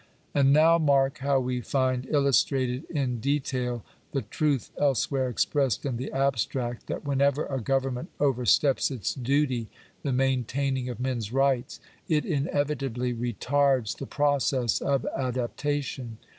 And now mark how we find illustrated in detail the truth elsewhere expressed in the abstract, that whenever a govern ment oversteps its duty — the maintaining of mens rights — it inevitably retards the process of adaptation.